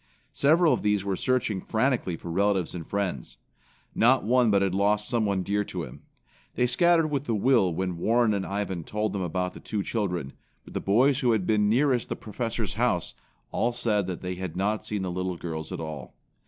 Several of these were searching frantically for relatives and friends. Not one but had lost someone dear to him. They scattered with a will when Warren and Ivan told them about the two children, but the boys who had been nearest the Professor's house, all said that they had not seen the little girls at all.